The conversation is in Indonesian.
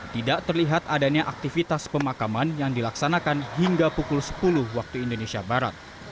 tidak terlihat adanya aktivitas pemakaman yang dilaksanakan hingga pukul sepuluh waktu indonesia barat